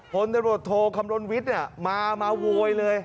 คะพลคำล้วนวิทย์มาววนเลย